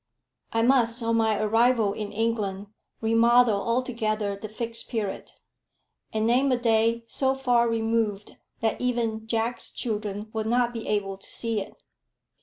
I must on my arrival in England remodel altogether the Fixed Period, and name a day so far removed that even Jack's children would not be able to see it.